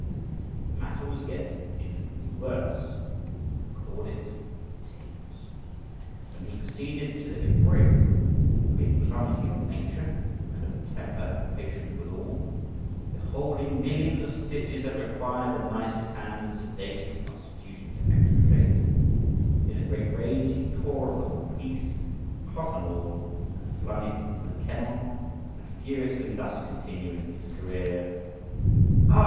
But the matter was yet infinitely worse (I record it with tears) when he proceeded to the embroidery; for being clumsy of nature, and of temper impatient withal, beholding millions of stitches that required the nicest hand and sedatest constitution to extricate, in a great rage he tore off the whole piece, cloth and all, and flung it into the kennel, and furiously thus continuing his career, "Ah!